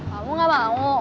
kamu nggak mau